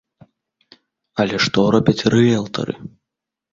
Але што робяць рыэлтары?